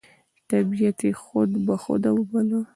طبیعت یې خود بخوده باله،